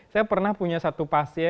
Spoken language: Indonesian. saya pernah punya satu pasien